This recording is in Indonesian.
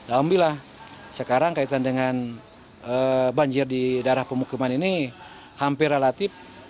alhamdulillah sekarang kaitan dengan banjir di daerah pemukiman ini hampir relatif